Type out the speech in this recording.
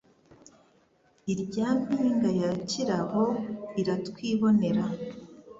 irya mpinga ya Kirabo iratwibonera,